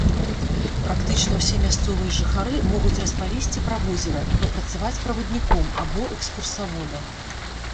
Практычна ўсе мясцовыя жыхары могуць распавесці пра возера і папрацаваць правадніком або экскурсаводам.